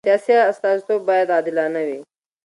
سیاسي استازیتوب باید عادلانه وي